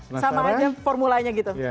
sama aja formulanya gitu